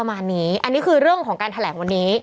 อันนี้คือเรื่องของการแถลงวันนี้